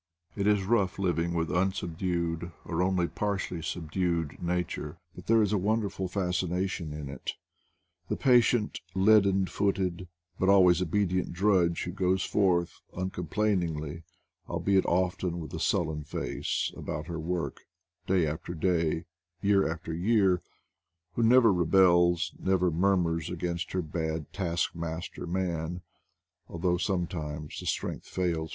It is rough living with unsubdued, or only par tially subdued, Nature, but there is a wonderful fascination in it. The patient, leaden footed, but always obedient drudge, who goes forth uncom plainingly, albeit often with a sullen face, about Jter work, day after day, year after year; who never rebels, never murmurs against her bad task master Man, although sometimes the strength fails